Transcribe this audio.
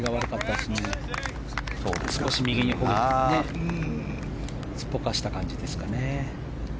少し右にすっぽかした感じですかね。